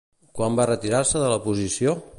Quan va retirar-se de la posició?